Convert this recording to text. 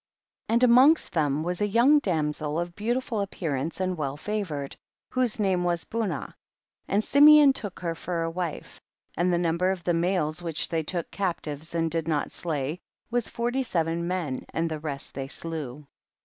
36. And amongst them was a young damsel of beautiful appear ance and well favored, whose name was Bunah, and Simeon took her for a wife, and the number of the males which they took captives and did not slay, was forty seven men, and the rest they slew.